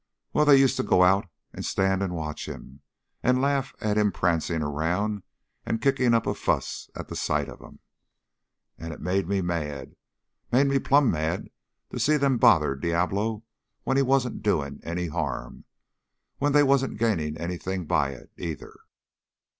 Well, they used to go out and stand and watch him and laugh at him prancing around and kicking up a fuss at the sight of 'em. "And it made me mad. Made me plumb mad to see them bother Diablo when he wasn't doing no harm, when they wasn't gaining anything by it, either."